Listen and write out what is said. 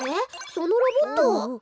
そのロボット。